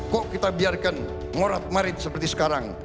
kok kita biarkan morat marit seperti sekarang